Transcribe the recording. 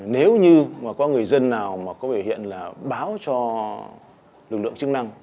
nếu như có người dân nào có biểu hiện là báo cho lực lượng chức năng